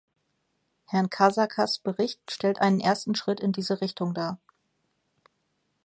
Herrn Casacas Bericht stellt einen ersten Schritt in diese Richtung dar.